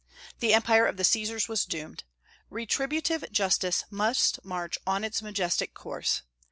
The empire of the Caesars was doomed. Retributive justice must march on in its majestic course.